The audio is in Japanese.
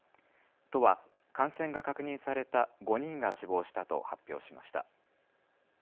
都は感染が確認された５人が死亡したと発表しました。